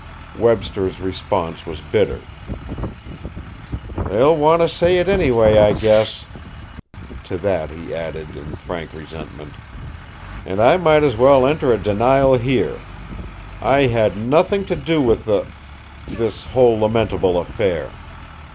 Webster's response was bitter. "They'll want to say it anyway, I guess." To that he added, in frank resentment: "And I might as well enter a denial here: I had nothing to do with the this whole lamentable affair!"